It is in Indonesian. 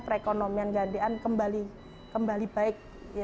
perekonomian ngandekan kembali baik